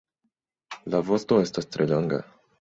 La vosto estas tre longa.